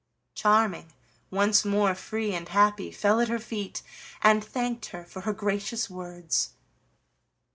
Charming, once more free and happy, fell at her feet and thanked her for her gracious words.